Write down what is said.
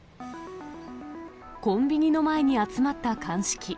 コンビニの前に集まった鑑識。